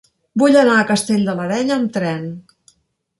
Vull anar a Castell de l'Areny amb tren.